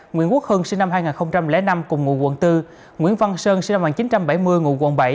nguyễn quốc hưng sinh năm hai nghìn năm cùng ngụ quận bốn nguyễn văn sơn sinh năm một nghìn chín trăm bảy mươi ngụ quận bảy